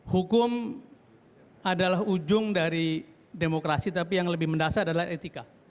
hukum adalah ujung dari demokrasi tapi yang lebih mendasar adalah etika